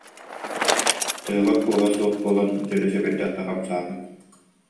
Тыала-кууһа суох буолан, дьөрү сэбирдэх да хамсаабат